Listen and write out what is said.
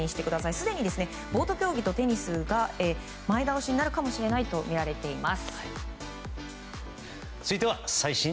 すでにボート競技とテニスが前倒しになるかもしれないとみられています。